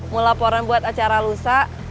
mau laporan buat acara lusa